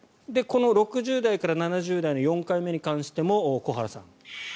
この６０代から７０代の４回目に関しても、小原さん。